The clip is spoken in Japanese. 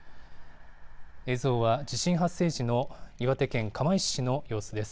映像は、地震発生時の岩手県釜石市の様子です。